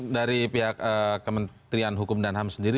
dari pihak kementerian hukum dan ham sendiri